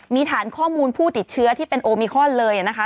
มีฐานข้อมูลผู้ติดเชื้อที่เป็นโอมิคอนเลยนะคะ